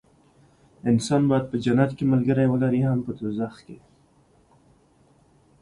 انسان باید هم په جنت کې ملګري ولري هم په دوزخ کې.